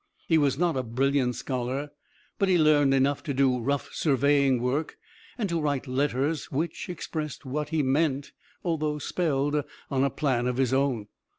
He was not a brilliant scholar, but he learned enough to do rough surveying work, and to write letters which expressed what he meant although spelled on a plan of his own.